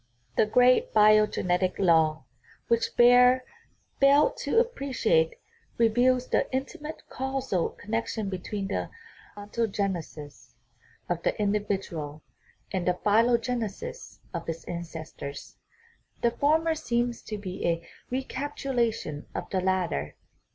The great biogenetic law, which Baer failed to appre ciate, reveals the intimate causal connection between the ontogenesis of the individual and the phylogenesis of its ancestors; the former seems to be a recapitula tion of the latter.